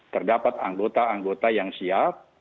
terdapat anggota anggota yang siap